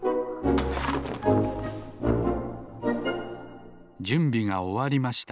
だいしてじゅんびがおわりました。